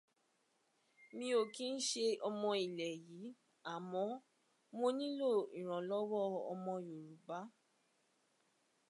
Mi ò kí ń ṣe ọmọ ilẹ̀ yìí àmọ́ mo nílò ìrànlọ́wọ́ ọmọ Yorùbá.